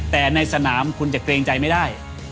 แต่ในสนามคุณจะเกรงใจไม่ได้